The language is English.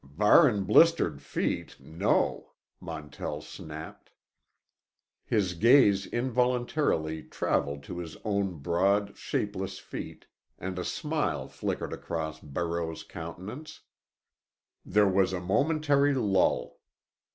"Barrin' blistered feet—no," Montell snapped. His gaze involuntarily travelled to his own broad, shapeless feet, and a smile flickered across Barreau's countenance. There was a momentary lull.